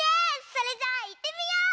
それじゃあいってみよう！